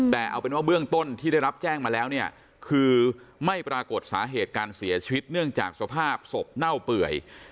แต่เอาเป็นว่าเบื้องต้นที่ได้รับแจ้งมาแล้วเนี่ยคือไม่ปรากฏสาเหตุการเสียชีวิตเนื่องจากสภาพศพเน่าเปื่อย